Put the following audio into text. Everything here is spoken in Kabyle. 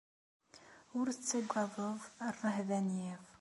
Ur tettaggadeḍ rrehba n yiḍ.